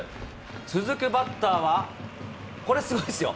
続くバッターは、これ、すごいっすよ。